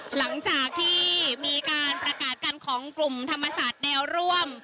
หลังจากที่มีการประกาศกันของกลุ่มธรรมศาสตร์แนวร่วม